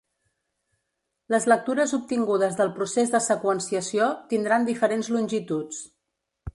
Les lectures obtingudes del procés de seqüenciació tindran diferents longituds.